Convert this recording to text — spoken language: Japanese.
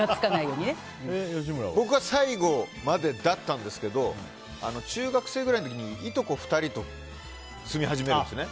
僕は最後までだったんですけど中学生くらいの時にいとこ２人と住み始めるんですね。